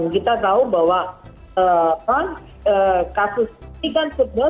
kita tahu bahwa kasus ini kan sebenarnya